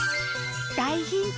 大ヒント！